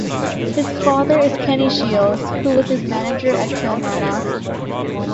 His father is Kenny Shiels, who was his manager at Kilmarnock.